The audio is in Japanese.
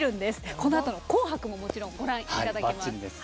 このあとの「紅白」ももちろんご覧いただけます。